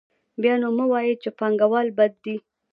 بیا نو مه وایئ چې پانګوال بد دي